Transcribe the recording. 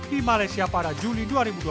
di malaysia pada juli dua ribu dua puluh